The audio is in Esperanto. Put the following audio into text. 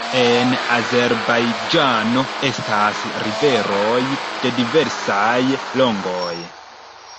En Azerbajĝano estas riveroj de diversaj longoj.